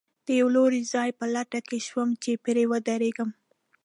د یوه لوړ ځای په لټه کې شوم، چې پرې ودرېږم.